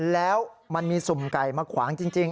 แล้วมันมีสุ่มไก่มาขวางจริง